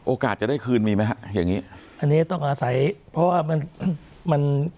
โอกาสจะได้คืนมีมั้ยฮะอย่างเนี้ยต้องอาศัยเพราะว่ามันมัน